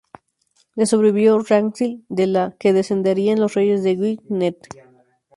Le sobrevivió Ragnhild, de la que descenderían los reyes de Gwynedd.